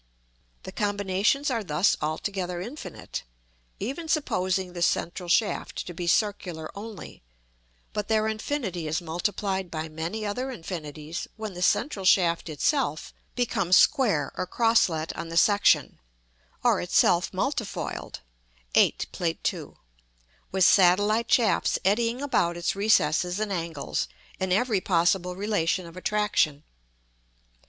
The combinations are thus altogether infinite, even supposing the central shaft to be circular only; but their infinity is multiplied by many other infinities when the central shaft itself becomes square or crosslet on the section, or itself multifoiled (8, Plate II.) with satellite shafts eddying about its recesses and angles, in every possible relation of attraction.